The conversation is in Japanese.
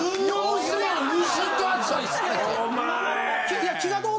いや。